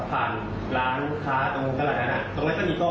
ร้านค้าตรงเกลงจากฐานนั้นตอนนี้ก็มีก้อห่ม